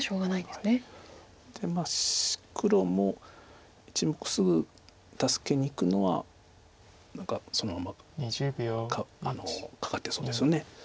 で黒も１目すぐ助けにいくのは何かそのままカカってそうですよね。